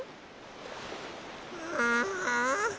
ああ。